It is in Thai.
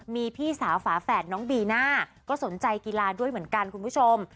มีพี่สาวฝาแฝดน้องบีน่าก็สนใจกีฬาด้วยเหมือนกันคุณผู้ชม